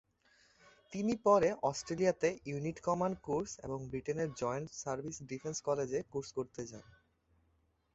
তিনি পরে অস্ট্রেলিয়াতে ইউনিট কমান্ড কোর্স এবং ব্রিটেনের জয়েন্ট সার্ভিস ডিফেন্স কলেজে কোর্স করতে যান।